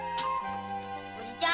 おじちゃん